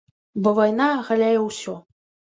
Бо вайна агаляе ўсё.